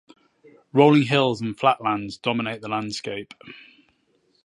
Rolling hills and flatlands dominate the landscape.